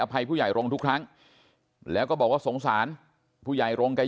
ภัยผู้ใหญ่โรงทุกครั้งแล้วก็บอกว่าสงสารผู้ใหญ่โรงแก